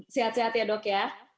sehat sehat ya dok ya